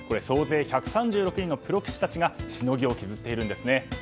総勢１３６人のプロ棋士たちがしのぎを削っているんですね。